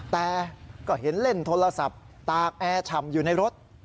แต่ก็เห็นเล่นโทรศัพท์ตากแอร์ฉ่ำอยู่ในรถ